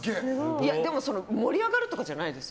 でも盛り上がるとかじゃないです。